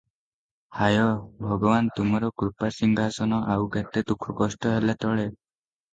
ହାୟ! ଭଗବାନ୍ ତୁମର କୃପାସିଂହାସନ ଆଉ କେତେ ଦୁଃଖ କଷ୍ଟ ହେଲେ ଟଳେ?